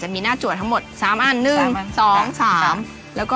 จะมีหน้าจั๋วทั้งหมดสามอันหนึ่งสามอันสองสามแล้วก็